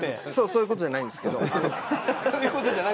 そういうことじゃないんですけど。